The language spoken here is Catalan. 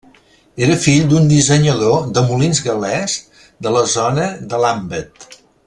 Era fill d'un dissenyador de molins gal·lès de la zona de Lambeth.